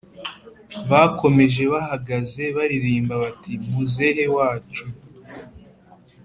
Bakomeje bahagaze baririmba bati ‘Muzehe wacu